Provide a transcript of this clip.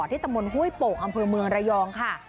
ที่ตะมนต์ฮุ้ยโปะอำเภอเมืองระยองค่ะ